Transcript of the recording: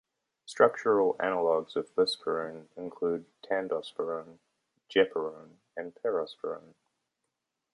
Structural analogues of buspirone include tandospirone, gepirone, and perospirone.